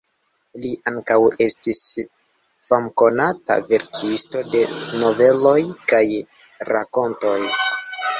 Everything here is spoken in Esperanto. Li ankaŭ estis famkonata verkisto de noveloj kaj rakontoj.